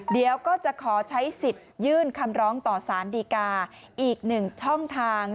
เดี๋ยวก็จะขอใช้สิทธิ์ยื่นคำร้องต่อสารดีกาอีกหนึ่งช่องทาง